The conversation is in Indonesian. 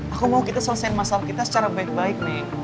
aku mau kita selesaikan masalah kita secara baik baik nih